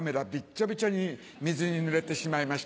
ちょびちょに水にぬれてしまいました。